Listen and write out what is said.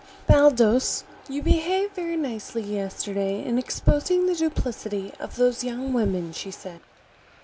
"Baldos, you behaved very nicely yesterday in exposing the duplicity of those young women," she said.